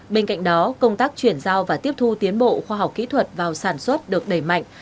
bên cạnh đó công tác chuyển giao và tiếp thu tiến bộ khoa học kỹ thuật vào sản xuất được đẩy mạnh